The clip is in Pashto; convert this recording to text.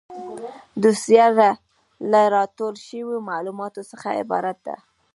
دوسیه له راټول شویو معلوماتو څخه عبارت ده.